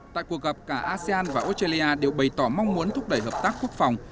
tại cuộc gặp cả asean và australia đều bày tỏ mong muốn thúc đẩy hợp tác quốc phòng